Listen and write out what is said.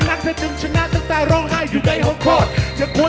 ในวันที่เธอผิดหวังจากสิ่งที่ฝันและฝ่าย